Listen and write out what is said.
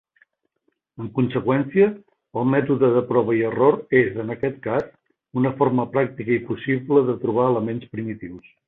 En conseqüència, el mètode de prova i error és, en aquest cas, una forma pràctica i possible de trobar elements primitius.